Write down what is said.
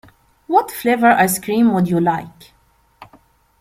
What flavour ice cream would you like?